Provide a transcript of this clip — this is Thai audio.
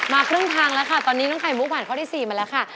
ครึ่งทางแล้วค่ะตอนนี้น้องไข่มุกผ่านข้อที่๔มาแล้วค่ะ